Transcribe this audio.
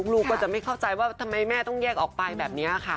ลูกก็จะไม่เข้าใจว่าทำไมแม่ต้องแยกออกไปแบบนี้ค่ะ